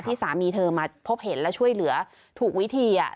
สามีเธอมาพบเห็นและช่วยเหลือถูกวิธี